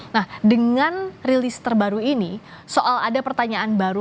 nah dengan rilis terbaru ini soal ada pertanyaan baru